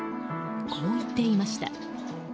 こう言っていました。